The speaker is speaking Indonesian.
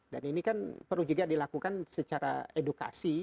dan ini kan perlu juga dilakukan secara edukasi